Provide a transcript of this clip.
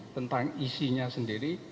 tentang isinya sendiri